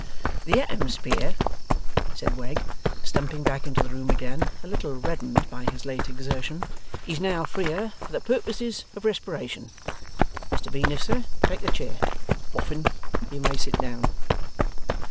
'The atomspear,' said Wegg, stumping back into the room again, a little reddened by his late exertion, 'is now freer for the purposes of respiration. Mr Venus, sir, take a chair. Boffin, you may sit down.